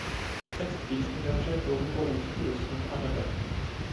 Text písně vyjadřuje touhu po útěku do snů a nebe.